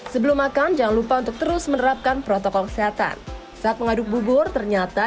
sebelum makan jangan lupa untuk terus menerapkan protokol kesehatan saat mengaduk bubur ternyata